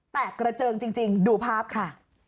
กระเจิงจริงดูภาพค่ะ